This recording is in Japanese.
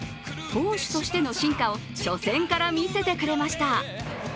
投手としての進化を初戦から見せてくれました。